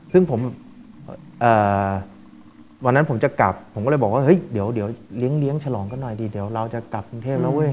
ซึ่งผมวันนั้นผมจะกลับผมก็เลยบอกว่าเฮ้ยเดี๋ยวเลี้ยงฉลองกันหน่อยดีเดี๋ยวเราจะกลับกรุงเทพแล้วเว้ย